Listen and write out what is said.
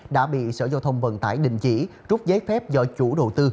đã bị sở giao thông vận tải đình chỉ trút giấy phép do chủ đầu tư